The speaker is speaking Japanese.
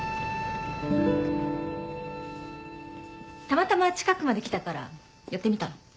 たまたま近くまで来たから寄ってみたの。